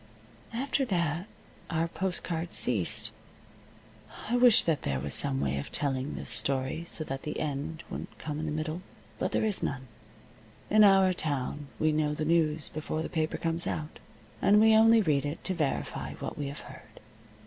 After that our postal cards ceased. I wish that there was some way of telling this story so that the end wouldn't come in the middle. But there is none. In our town we know the news before the paper comes out, and we only read it to verify what we have heard.